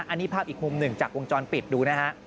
อันนี้ภาพอีกมุมหนึ่งจากวงจรปิดดูนะฮะ